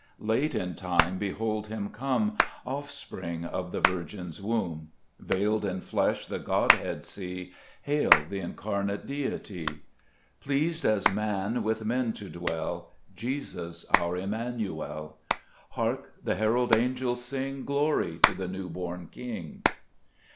Late in time behold Him come, Offspring of the Virgin's womb : Veiled in flesh the Godhead see ; Hail the Incarnate Deity, Pleased as man with men to dwell, Jesus, our Emmanuel. Hark ! the herald angels sing, " Glory to the new born King."